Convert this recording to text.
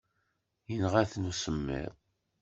Yenɣa-ten usemmiḍ.